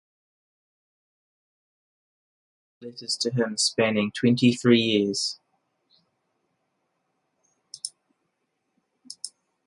There she discovered her letters to him spanning twenty-three years.